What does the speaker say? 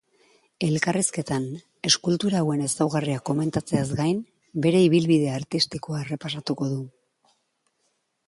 Elkarrizketan, eskultura hauen ezaugarriak komentatzeaz gain, bere ibilbide artistikoa errepasatuko du.